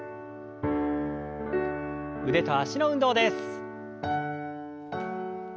腕と脚の運動です。